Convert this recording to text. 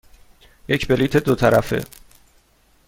یک بلیط دو طرفه.